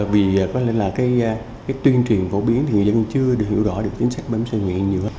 vì có lẽ là cái tuyên truyền phổ biến thì người dân chưa được hiểu rõ được chính sách bấm sơ nguyện nhiều